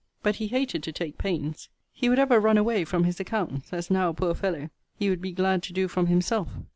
But he hated to take pains. He would ever run away from his accounts; as now, poor fellow! he would be glad to do from himself.